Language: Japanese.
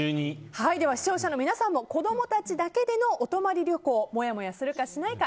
視聴者の皆さんも子供たちだけでのお泊まり旅行もやもやするかしないか